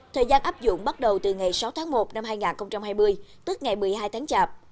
thời gian áp dụng bắt đầu từ ngày sáu tháng một năm hai nghìn hai mươi tức ngày một mươi hai tháng chạp